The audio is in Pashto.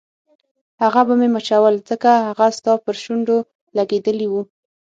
هغه به مې مچول ځکه هغه ستا پر شونډو لګېدلي وو.